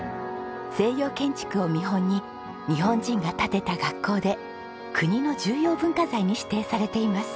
西洋建築を見本に日本人が建てた学校で国の重要文化財に指定されています。